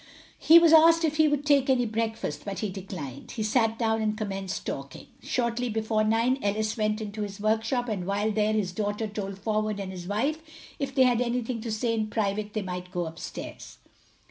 He was asked if he would take any breakfast, but he declined. He sat down and commenced talking. Shortly before nine Ellis went into his workshop, and while there his daughter told Forward and his wife if they had anything to say in private they might go up stairs.